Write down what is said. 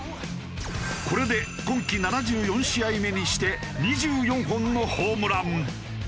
これで今季７４試合目にして２４本のホームラン。